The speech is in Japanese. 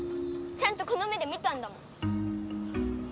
ちゃんとこの目で見たんだもん！